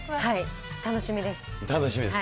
楽しみです。